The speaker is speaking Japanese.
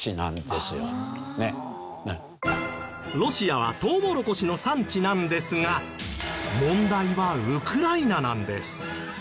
ロシアはトウモロコシの産地なんですが問題はウクライナなんです。